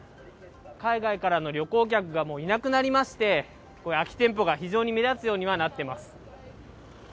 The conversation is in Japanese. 海外からの旅行客がもういなくなりまして、空き店舗が非常に目立つようにはなってます。